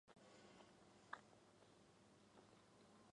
四元数都只是有限维的实数结合除法代数。